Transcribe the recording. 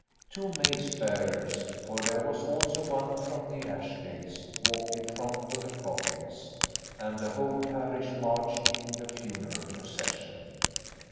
Two mace bearers (for there was also one from the Ashdales) walked in front of the coffins, and the whole parish marched in the funeral procession.